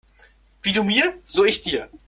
Wie du mir, so ich dir.